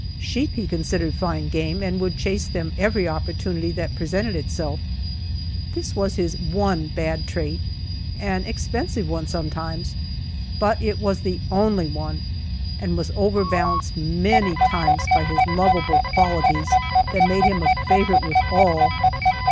Sheep he considered fine game, and would chase them every opportunity that presented itself. This was his one bad trait, an expensive one sometimes, but it was the only one, and was overbalanced many times by his lovable qualities that made him a favorite with all.